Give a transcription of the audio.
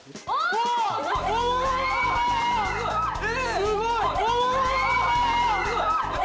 すごい！え！